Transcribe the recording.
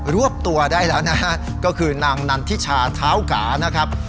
รวบตัวได้แล้วนะฮะก็คือนางนันทิชาเท้ากานะครับ